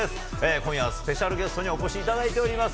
今夜はスペシャルゲストにお越しいただいております。